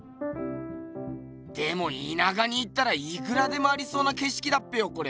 でもいなかに行ったらいくらでもありそうなけしきだっぺよこれ。